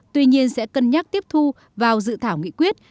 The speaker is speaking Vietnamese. tuy nhiên sẽ cân nhắc tiếp thu vào dự thảo nghị quyết